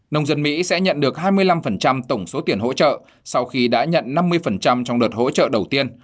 nông dân mỹ sẽ nhận được hai mươi năm tổng số tiền hỗ trợ sau khi đã nhận năm mươi trong đợt hỗ trợ đầu tiên